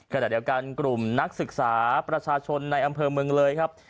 ขณะเดียวกันกลุ่มนักศึกษาประชาชนในอำเภอเมืองเลยครับ